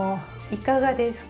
いかがですか？